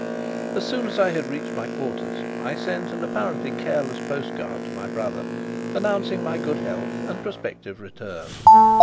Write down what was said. As soon as I had reached my quarters, I sent an apparently careless postcard to my brother, announcing my good health and prospective return.